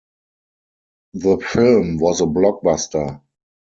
The film was a blockbuster.